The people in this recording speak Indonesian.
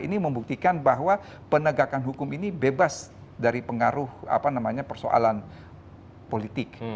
ini membuktikan bahwa penegakan hukum ini bebas dari pengaruh persoalan politik